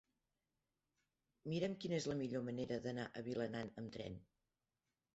Mira'm quina és la millor manera d'anar a Vilanant amb tren.